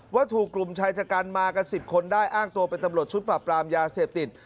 ว่าถูกกลุ่มชายชะกันมากัน๑๐คนได้อ้างตัวเป็นตำรวจชุดปรับปรามยาเสพติด